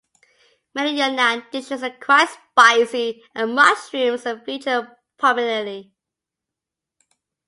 Many Yunnan dishes are quite spicy, and mushrooms are featured prominently.